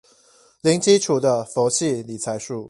零基礎的佛系理財術